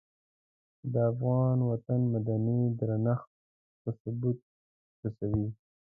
چې د افغان وطن مدني درنښت په ثبوت رسوي.